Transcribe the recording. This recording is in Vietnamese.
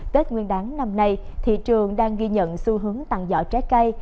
tết nguyên đáng năm nay thị trường đang ghi nhận xu hướng tặng giỏ trái cây